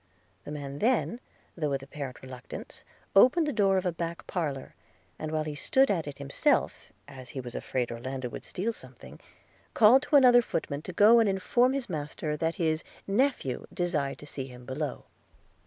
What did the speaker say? The man then, though with apparent reluctance, opened the door of a back parlour, and, while he stood at it himself, as if he was afraid Orlando would steal something, called to another footman to go and inform his master that his nephew desired to see him below.